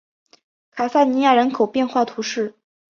卡萨尼亚人口变化图示